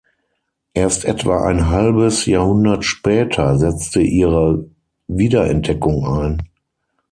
Erst etwa ein halbes Jahrhundert später setzte ihre Wiederentdeckung ein.